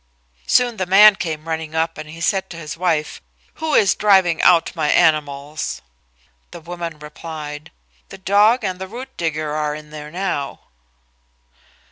Soon the man came running up, and he said to his wife, "Who is driving out my animals?" The woman replied, "The dog and the root digger are in there now."